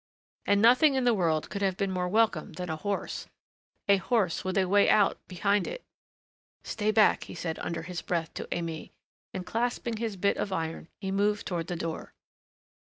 And nothing in the world could have been more welcome than a horse a horse with a way out behind it! "Stay back," he said under his breath to Aimée, and clasping his bit of iron he moved toward the door.